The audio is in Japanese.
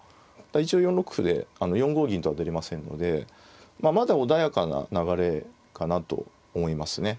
一応４六歩で４五銀とは出れませんのでまあまだ穏やかな流れかなと思いますね。